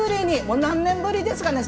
もう何年ぶりですかね